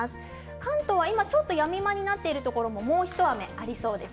関東は今ちょっとやみ間になっているところももう一雨ありそうです。